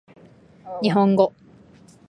日本語